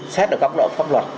xét ở góc độ pháp luật